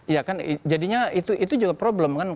ya kan jadinya itu juga problem kan